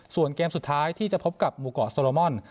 ส่วนเกมสุดท้ายที่จะพบกับหมู่เกาะโซโลมอน